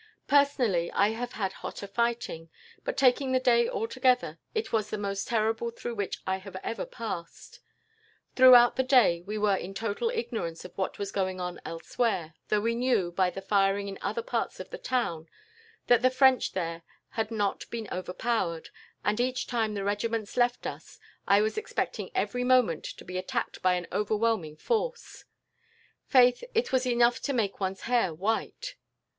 "Personally, I have had hotter fighting, but taking the day altogether, it was the most terrible through which I have ever passed. Throughout the day we were in total ignorance of what was going on elsewhere, though we knew, by the firing in other parts of the town, that the French there had not been overpowered, and, each time the regiments left us, I was expecting every moment to be attacked by an overwhelming force. Faith, it was enough to make one's hair white!